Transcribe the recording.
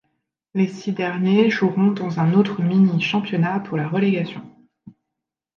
Les six derniers joueront dans un autre mini championnat pour la relégation.